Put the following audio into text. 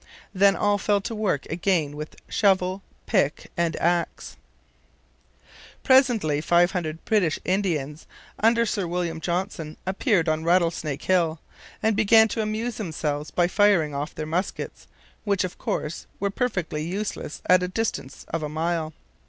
Then all fell to work again with shovel, pick, and axe. Presently five hundred British Indians under Sir William Johnson appeared on Rattlesnake Hill and began to amuse themselves by firing off their muskets, which, of course, were perfectly useless at a distance of a mile.